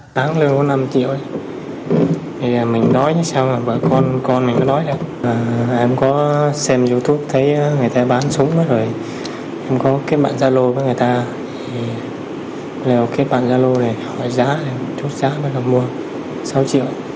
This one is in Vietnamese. thắng lưu năm triệu mình đói như sao mà bởi con con mình nó đói đó em có xem youtube thấy người ta bán súng đó rồi em có kết bạn gia lô với người ta kết bạn gia lô này hỏi giá chút giá bắt đầu mua sáu triệu